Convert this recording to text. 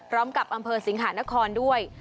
ร้อมกับอำเภอสิงหานครด้วย